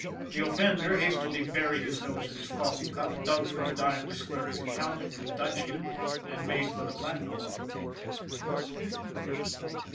The offender hastily buried his nose in his coffee cup, dug for a dime to square his account with Dutchy and made for the platform.